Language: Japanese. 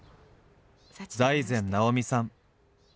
財前直見さん。